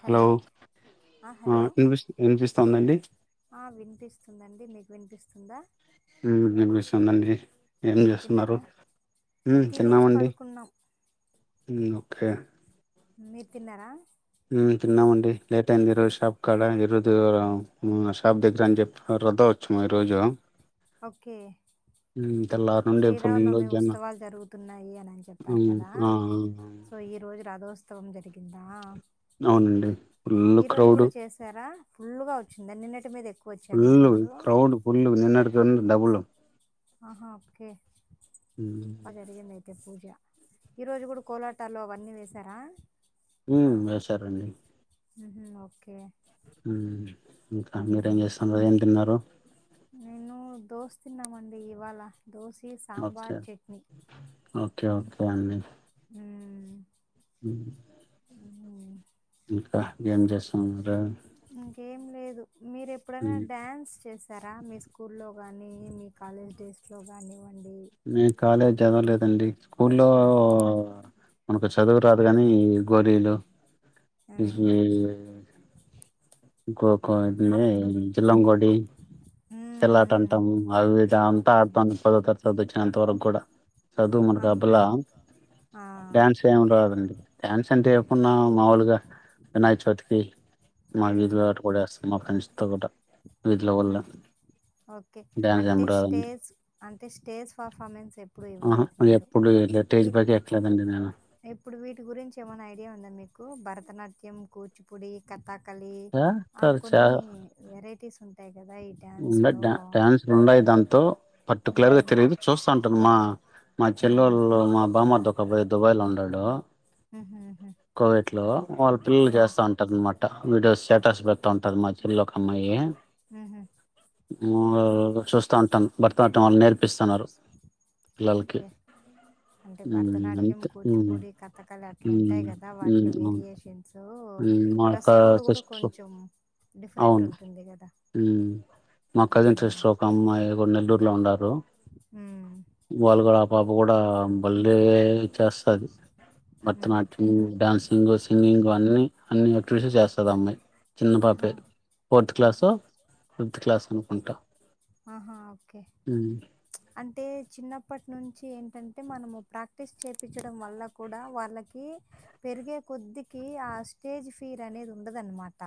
Hello ఆ. Hello వినిపిస్ వినిపిస్తోందండి ఆ వినిపిస్తుందండి మీకు వినిపిస్తు [inaudible] హ్మ్ వినిపిస్తుందండి. ఏం ఓకే, చేస్తున్నారు? తిన్నారా హ్మ్ తినేసి తిన్నామండి. పడుకున్నాం హ్మ్ ఓకే మీర్ తిన్నారా హ్మ్ తిన్నమండి లేట్ అయింది ఈ రోజు షాప్ కాడ ఇంక్ ఈరోజ్ శ్రీ రామ్ మా షాప్ దగ్గర ఆయన చెప్పారు రథోస్తవం ఈ రోజు ఓకే తెల్లారి నుండి ఫుల్ శ్రీరామనవమి జనం ఉత్సవాలు జరుగుతున్నాయి. అని అని చెప్పారు ఉమ్ కదా, ఆ సో ఈ రోజు రథోత్సవం జరిగిందా అవునండి ఫుల్లు ఈ రోజు క్రౌడ్ కూడా చేసారా ఫుల్గా వచ్చిందా నిన్నటి మీద్ ఏక్ ఫుల్ క్రౌడ్ ఫుల్ నిన్నటి కన్నా డబుల్ ఆహా ఓకే ఉమ్ పగర ఈరోజు కూడా కోలాటాలో అవన్నీ వసారా ఉ వసారంండి ఓకే హ ఇంకా మీరేం మ్. చేస్తున్నారు ఏం తిన్నారు నేను దోస్తు తిన్నామండి ఇవాళ దోశ సాంబార్ చట్నీ పంన్ని మ్మ్ హ మ్మ్ ఇంకా గేం చేేశర ఇంకేం లేదు మీరు ఎప్పుడైనా ఉమ్, డ్యాన్స్ చేసారా మీ స్కూ లో కానీ మీ కాలేజ్ డేస్ లో కానివ్వండి నేను కాలేజీ చదవలేదండి స్కూల్లో ఆ మనకు చదువు రాదు కాని గోళలు మ్మ్ ఇ గ్రప్ క అప్పుడు జలంగడి మ్మ్ మ్మ్ చెల్ట్ంటం అవిద అంత ఆ పద తర్చ్చ అంతవరకు కూడా చదువు మన ఆ క అబులా ఆ డ్యాన్స్ ఏం రాదండి డ్యాన్స్ అంటే ఎప్పున్నా మాములుగా వినాయి చతికి మాగరి త మ్మ్ ఆటడ అ మా ఫ్రెండ్స్తో కూడా ఇట్లా వల్ మ్మ్ ఓకే అంటే స్టేజ్ అంటే స్టేజ్ పర్ఫార్మెన్స్ ఎప్పుడు ఆహా ఇవ్వలేదు మీరు ఎప్పుడు ఇట్లా స్టేజ్ ఇ పైకి ఎక్కలేదండి నేను ఇప్పుడు వీటి గురించి ఏమైనా ఐడియా ఉందా మీకు భరతనాట్యం కూచిపూడి కత్ తకలి చేస్తారు చే కొన్ని వెరైటీస్ ఉంటా ఉండ డా్యాన్సలు ఉండయి దాంతో పర్టికులర్ గా ఉమ్ తిరిగిదు చూస్తాంటనుమా మా ఉమ్ చెల్లెళ్ళ మా బామార్ దొ దుబా్లో ఉ నలడు ఆమ్ వాళ్ళ పిల్లలు చేస్తంటారన్నమాట అనమాట వీడియోస్షాట్ ఉంటాంటారు మధ్యలో కమైయే హహ చూస్తాంటాం భర్తనాట్యంల నేర్ [inaudible] ఓకే అంటే ఉమ్ భరతనాట్యం అంతే ఉమ్ కూచిపూడి కథకళి అట్లా ఉంటాయి కదా ఉమ్ వాటిలో ఉమ్ వేరియేషన్స్ మా యొక్క డ్రెస్ కోడ్ కూడా సిస్టర్ కొంచెం డిఫరెంట్ అవును ఉంటుంది కదా మా కజిన్ ఉమ్ సిస్టర్ ఒక అమ్మాయి ఒకరు నెల్లూరు లో ఉండ ఉమ్ వాళ్ళు కూడా ఆ పాప కూడా బల్లే చేస్తుంది భరతనాట్యం ఉహు డ్యాన్సింగ్ సింగింగ్ అన్ని అన్ని ఎక్స్ప్రెషన్స్ అమ్మాయి చిన్న ఆహా పాపే ఓకే ఆహా ఓకే అప్పటి నుంచి ఏంటంటే మనము ప్రాక్టీస్ చేయించడం వల్ల కూడా వాళ్ళకి పెరిగే కొద్దికి ఆ స్టేజ్ ఫియర్ అనేది ఉండదన్నమాట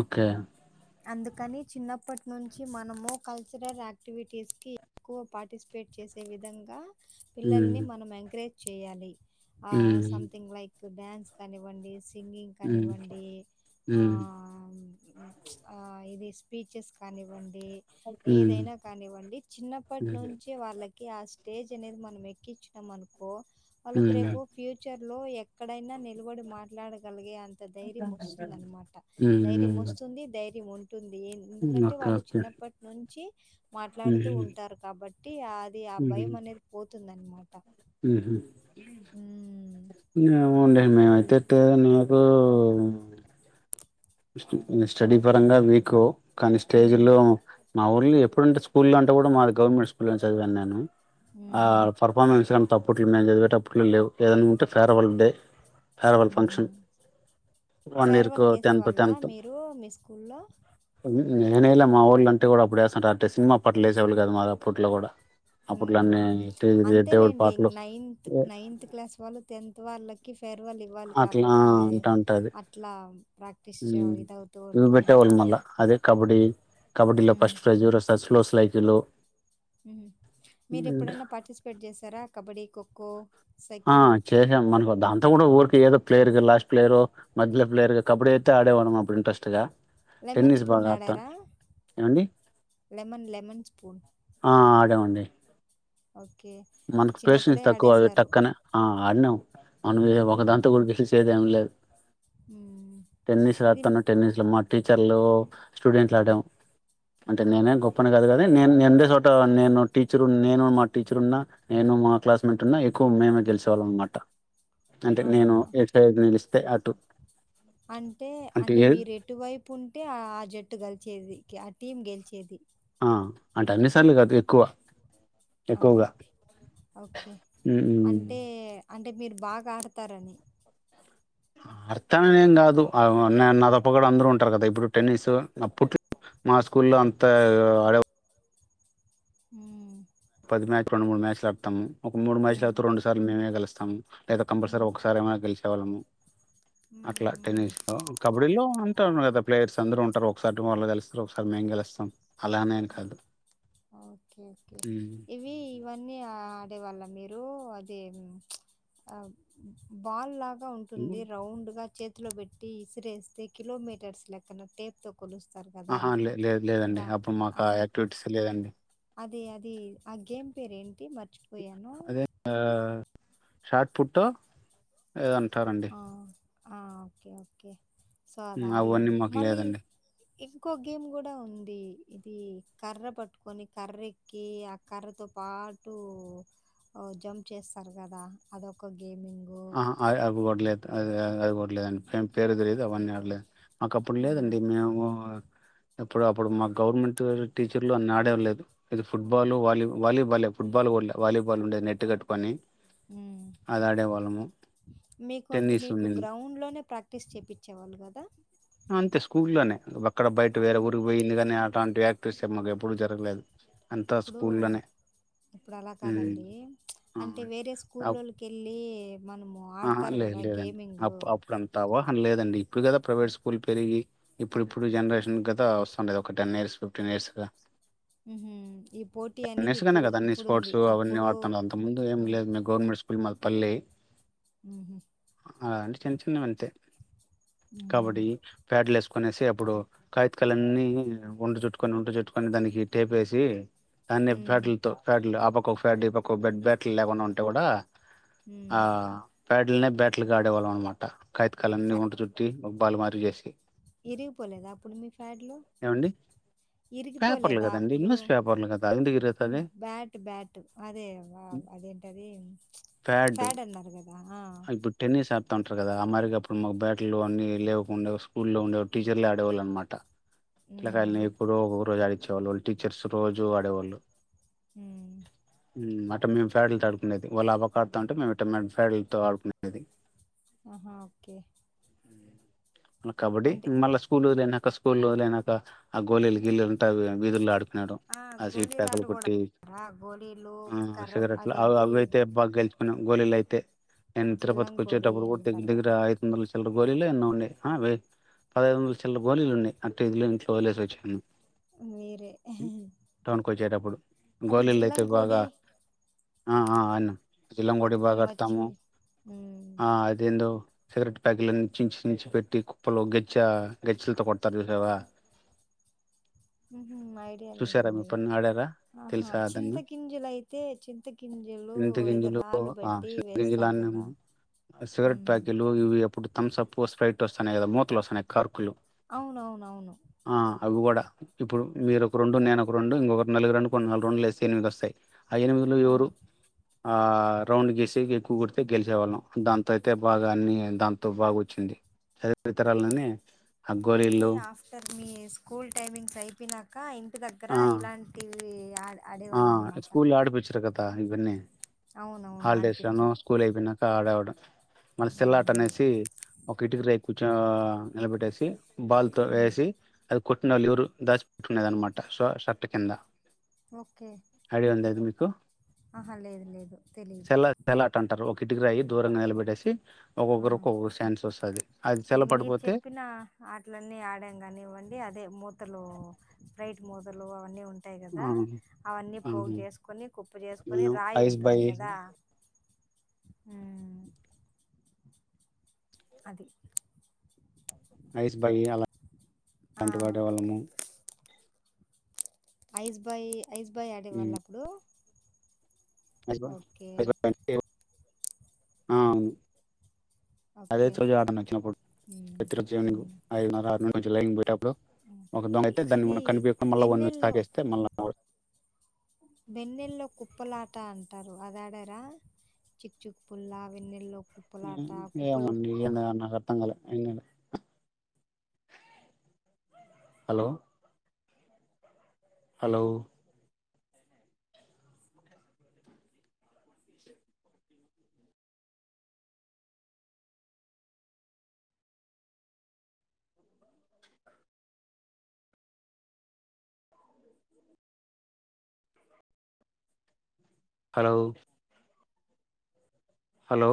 ఓకే అందుకని చిన్నప్పటి నుంచి మనము కల్చరల్ యాక్టివిటీస్కి ఎక్కువ పార్టిసిపేట్ ఉమ్, పిల్లల్ని మనం ఎంకరేజ్ చేయాలి ఆ ఉమ్, సమ్థింగ్ లైక్ డ్యాన్స్ కానివ్వండి సింగింగ్ ఉమ్, కానివ్వండి ఆ ఉమ్, ఆ ఇది స్పీచెస్ కానివ్వండి ఉమ్, ఏదైనా కానివ్వండి చిన్నప్పటి ఉమ్, నుంచి వాళ్ళకి క ఆ స్టేజ్ అనేది మనం ఎక్కించినాం అనుకో వాళ్ళకు ఉమ్, రేపు ఫ్యూచర్ లో ఎక్కడైనా నిలబడి మాట్లాడగలిగే అంత ధైర్యం వస్తుంద అన్నమాట ఉమ్, ధైర్యం ఉమ్, వస్తు ధైర్యము ఉంటుంది ఉమ్, ఎందుకంటే ఓకే వాళ్ళు ఓకే చిన్నప్పటి నుంచి మాట్లాడుతూ ఉమ్, ఉంటారు కాబట్టి అది ఆ భయం అనేది పోతుందన్నమా ట హ [inaudible] ఒండ మే కంటే నాకు స్టడీ పరంగా మీకు కానీ స్టేజ్ లో హ్మ్. మా ఊళ్ళు ఎప్పు ఎప్పుడుంటే స్కూలంటే అంటే కూడా మాది గవర్నమెంట్ స్కూల్లోనే చదివాను నేను ఆ హుహు. పర్ఫార్మెన్స్ గాన్ తప్ అప్పిట్లో మేం చదివేటప్పుడు లేవ్ ఏదైనా ఉంటే ఫేర్వల్ డే ఫేర్వల్ ఫంక్షన్ హ్మ్. వన్ ఇయర్కు టెన్త్ అలా మీరు మీ స్కూల్లో హ్మ్ నేనెయల మా వోళ్ళంటే కూడా అప్పుడు వేస్తంటారు అంటే సినిమా అప్పట్ల వేసేవాళ్ళు కాదు మా అప్పట్లో కూడా అప్పట్లో హ్మ్ అన్ని టీ- దేవుడి అంతేలేండి పాటలు నైన్త్ నైన్త్ క్లాస్ వాళ్ళు టెన్త్ వాళ్ళక్ అట్లా ఉంటా ఉంటాది అట్లా ప్రాక్టీస్ చే హ్మ్ ఇదవుతూ ఇవి ఉంటుంది. పెట్టేవాళ్ళు అప్పుడు మళ్ళా అదే కబడ్డీ కబడ్డీలో హ్మ్. ఫస్ట్ ప్రైజ్ ఎవరు వస్తారు [unintelligible] ఎల్లో హ్మ్ మీరు ఎప్పుడైనా పార్టిసిపేట్ చేసారా కబడ్డీ ఖో ఖో ఆ చేసాం మనకు దాంతో కూడా ఊర్ ఏదో ప్లేయర్గా లాస్ట్ ప్లేయరో మధ్యలో ప్లేయర్గా కబడ్డీ అయితే ఆడేవాళ్ళం అప్పుడు ఇంట్రెస్ట్గా లెమన్ స్పూన్ ఆడారా? ఏమండి లెమన్ లెమన్ స్పూన్ ఆ ఆడామండి ఓకే అంటే మనకు పేషెన్స్ చిన్నప్పుడే తక్కువ అవి ఆడేశారు టక్కనే ఆ ఆడినాం మనం ఒక ఉమ్ దాంతో కూడా గెలిచ్ చేదేం ఏం లేద్ ఉమ్ టెన్నీస్ ఇది రాతను టెనిస్ లోమ్మట్ టీచర్లు స్టూడెంట్లు ఆడాము. అంటే నేనే గొప్పనే కాదు గాని నేను నుండే చోట నేను టీచరు నేను మా టీచర్ ఉన్న నేను మా క్లాస్మేట్ ఉన్నా ఎక్కువ మేమే గెలిసేవాళ్ళం అన్నమాట. అంటే ఆహా నేను ఏసైడు నిలిస్తే అటు అంటే అంటే మీరు ఎటు వైపు ఉంటే ఆ జట్టు గెలిచేది యా టీమ్ గెలిచేది ఆ అంటే అన్ని సార్లు కాదు ఎక్కువ ఆహా ఎక్కువగా ఒకే హ్మ్. అంటే అంటే మీరు బాగా ఆడతారని అట్టా అనేం కాదు ఆ నా తప్ప కూడా అందరూ ఉంటారు కదా ఇప్పుడు టెన్నిసు అప్పుట్ మా స్కూల్లో అంత ఆడే హ్మ్ పది మ్యాచ్ రెండు మూడు మ్యాచ్లులాడతాము. ఒక ముడు మ్యాచులు ఉమ్ ఆడితే రెండు సార్లు మేమే గెలుస్తా స్తాము లేదా కంపల్సరీ ఉమ్ ఒకసారి ఏమన్నా గెలిసే వాళ్ళము ఉమ్ అట్లా ఉమ్ టెన్నిస్ లో కబడ్డీ లో అం ఉన్నారు కదా ప్లేయర్స్ అందరూ ఉంటరు ఒకసారి మోర్లో గెలుస్తారు ఒకసారి మేము గెలస్తాం ఓకే ఓకే ఉమ్. ఇవి ఇవన్నీ ఆ ఉండే వాళ్ళ మీరూ అది ఆ బాల్ లా గా ఉంటుంది రౌండ్ గా చేత్ అందులో పెట్టి ఇసిరేస్తే కిలోమీటర్స్ లెక్కన టేప్ తో ఆహ లే లేదు లేదండి అప్పుడు మాకు ఆ యాక్టివిటీస్ లేదండి. అదే అది ఆ గేమ్ పేరు ఏంటి పెట్టి మర్చిపోయాను అదే షార్ట్ ఫుట్ ఏదనా ఆ ఆ ఓకే ఓకే సో అది ఉమ్, అవన్నీ ఆడలేదు మాకు మళ్ళీ లేదండి క్కో గేమ్ కూడా ఉంది ఇది కర్ర పట్టుకొని కర్ర ఎక్కి ఆ కర్రతో పాటు జంప్ చేస్తారు కదా అదొక ఆహా అవిగూడ లేదు అదా అది కూడా లేదండి పేరు తెలిదు అవన్నీ ఆడ్లే మాకు అప్పుడు లేదండి గేమింగు మేము ఎప్పుడు అప్పుడు మా గవర్నమెంట్ టీచర్లు అని ఆడేం లేదు ఇది ఫుట్బాల్ వాలీ వాలీబాలే ఫుట్బాల్ కూడలే వాలీబాల్ ఉండేది నెట్ కట్టుకోని అది అడే వాళ్ళము మీకు అంటే టెన్నిస్ మీకు ఉనింది గ్రౌండ్లోనే ప్రాక్టీస్ చేపిచ్చేవాళ్ళు కదా అంతే స్కూల్లోనే అక్కడ బయట ఆ వేరే ఊరికి పోయింది కాని అలాంటి యాక్టర్స్ మాకు ఎప్పుడూ జరగలేదు అంతా ఇప్పుడు స్కూల్లోనే ఇప్పుడు అలా ఉమ్ కాదండి ఆ అంటే వేరే స్కూల్ అప్- లోకి వెళ్ళి మ ఆహా లే లేదండి అప్ అప్పుడంతావో అ లేదండి ఇప్పుడు కదా ప్రైవేట్ స్కూల్ పెరిగి ఇప్పుడు ఇప్పుడు జనరేషన్ గద వస్టాండేది ఒక టెన్ ఇయర్స్ ఫిఫ్టీన్ ఇయర్స్ గా మ్ హు ఈ పోటీ టెన్ అనేది ఇయర్స్ గానే ఇప్పుడు కదా అన్ని ఇప్పుడుంది స్పోర్ట్స్ అవన్నీ అప్పుడు గుల్మల్ పల్లె మ్ హు అంటే చిన్న చిన్నవి అంతే కబడీ ఉ ఫ్యాట్లెస్ కొనేసి అప్పుడు కాగితకాలన్నీ ఉంట చుట్టుకొని ఉంట చుట్టుకొని దానికి టేప్ వేసి దాన్ని ఫ్యాటలతో ఫ్యాట్లు ఆపక్ ఒక ఫ్యాడ్ బెడ్ బ్యాట్లు లేకుండా ఉంటే కూడా ఉ ఆ ప్యాడల్ నే బ్యాటల్ గా ఆడేవాళ్ళమ్ అన్నమాట స కైతకాలన్నీ వంట చుట్టి బలుమారి చేసీ ఇరిగిపోలేదా అప్పుడు మీ ఫ్యాడ్లో ఏమండి పేపర్లు ఇరిగిపోలేదా కదండి అప్పుడు న్యూస్ పేపర్లు కదా ఎందుకు ఇరుగుతుంది బ్యాట్ బ్యాట్ అదే అదేంటది ఫ్యాడ్ చుప్ అన్నారు కదా ఆ హా ఇప్పుడు టెన్నీస్ చేత్త ఉంటారు కదా ఆ మరి ఇక అప్పుడు మాకు బ్యాట్లు అన్నీ లేకుండే స్కూల్లో ఉండే టీచర్లే ఆడే వాళ్ళ అనమాట ఉ పిల్లకాయల్ని ఇప్పుడు ఓరో జారి [inaudible] వచ్చేవాళ్ళు వాళ్ళు టీచర్స్ రోజు ఆడేవాళ్ళు ఊమ్ ఉమ్, అట్ట మేము ఫ్యాడ్లు తో ఆడుకునేది వాళ్ళు ఆ పక్క అడ్తంటే మేం ఇట్టా మెమ్మ్స్ [inaudible] ఫ్యాడులతో ఆడుకునేది ఆహా ఒకే మ కబడ్డీ మళ్ళ స్కూల్ వదిలేనాక స్కూల్ వదిలేనాక ఆ గోలీలు గిల్లలు ఆ వీధుల్లో ఆడుకున్నాడు ఆ స్వీట్ గోళీలు ఆట ప్యాకలు కూడా కొట్టి ఆ గోళీలు ఆ కర్ర సిగరెట్లు అవి అదేంటి అవి అయితే బాగా గెలుచుకున్నాం గోలీలు అయితే నేన్ తిరుపతికి జిల్లంకోడి వచ్చేటప్పుడు కూడా దగ్గర అంటారు దగ్గర కదా ఐదు వందల చిల్లర గోలీలే హు ఆ ఉన్నయ్ అ వే పదఐదు వందల చిల్లర గోలీలు ఉన్నయ్ అ అంటే వీధిలో నుంచి వదిలేసి వచ్చాను మీరే ఉమ్ టౌన్ కు వచ్చేటప్పుడు అది గోలీలైతే బాగా జిల్లంకోడి ఆ ఆ అడినం జిల్లం కోడి బాగా ఆడ్ ఛీ ఉమ్ సిగరెట్ ప్యాకెట్లన్నీ చించి చించి పెట్టి కుప్పలు గెచ్చా గెచ్చెలతో కొడతారు చూసావా [inaudible] ఉహు ఐడియా చూసారా మీ లేదండి ఎప్పుడన్నా ఆడారా ఆహా తెలుసా అదన్న చింతగింజలు అయితే చింతగింజలు ఏదో రాళ్లు బెట్టీ గింజలన్నీ సిగరెట్ ఉమ్ ప్యాకెలూ ఇవి ఎప్పుడు థంసప్పో స్ప్రైటో వస్తున్నాయి కదా మూతలు వస్తున్నాయి కార్కులు అవునవునవును ఆ అవి కూడా ఇప్పుడు మీరు ఒక రొండు నేను ఒక రొండు ఇంకొకరు నాలుగురండు కొన్ని నాలుగు రౌండులు లేస్తే ఎనిమిది వస్తయి ఆ యనిమిదిలో ఆహా ఎవరూ ఆ రౌండ్ గెస్ ఎక్కువ కుడితే గెలిచేవాళ్ళం దాంతో అయితే బాగా అన్నీ దాంతో బాగొచ్చింది అదే అంటే ఆఫ్టర్ మీ స్కూల్ టైమింగ్స్ అయిపోయినాకా ఇం ఇంటి దగ్గరా ఆ ఇలాంటివి యాల్ల ఆ స్కూల్ ఆడిపిచ్చర కదా ఇవన్నీ అవునవును హాలిడేస్లోనో ఆడిపిచ్చరు స్కూల్ అయిపోయినాకా ఆడ ఆడ మళ్ళ సిల్లాట మ్మ్. అనేసి ఒక ఇటుక రే కూర్చో నిలబెట్టేసి బాల్ త మ్మ్. వేసి అది కొట్నల్ ఎవరు దాచ్ ట్కునేదనమాట సో స ట్ కింద ఓకే అడి వందయింది ఉ ఆహా లేదు లేదు తెలీదు కిటికిరాయి దూరంగా నిలబెట్టేసి ఆహ ఒక్కొక్కరు ఒక్కొక్క ఛాన్స్ వస్తది అది సెల్ల ఇది మీరు పడిపోతే చెప్పిన ఆటలన్నీ ఆడాం గానివ్వండి అదే మూతలు లైట్ మూదలు అవన్నీ ఉంటాయి ఉంటాయి ఆ గదా అవన్నీ ఆ పోగు జేసుకొని కుప్పు జేసుకొని మేము రాయి ఐస్ బై ఎత్తుంది గదా ఉ అది ఐయిస్ భాయ్యలా ఆ, అంటే వాడే వాళ్ళము ఐస్బయ్ ఐస్బయ్ ఆడేవాళ్ళప్పుడు అస్ అస్ అవును అదే ఓకే చ అడినారు వచ్చినపుడు మ్మ్. ఎత్రుజీనులు మ్మ్. ఐనరు అరినారు లైన్ బై ఒ మ్మ్. ఒక దొంగ ఇ- అయితే దాన్ని ఇది మన కనిపియకు మళ్ళా వెన్నెల్లో తాకేస్తే మళ్ళా వెన్నెల్లో కుప్పలాట అంటారు అది ఆడరా చిచ్చుకు పుల్ల వెన్నెల్లు ఉమ్ ఏమండి ఇగన నా అ అర్థంగల ఎ ఆహ్ హలో హలో హలో హలో